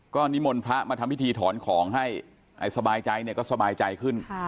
ก็นิมนต์พระมาทำพิธีถอนของให้สบายใจเนี่ยก็สบายใจขึ้น